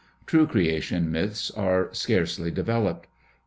True creation myths are scarcely developed.